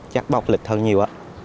chắc bóc lịch hơn nhiều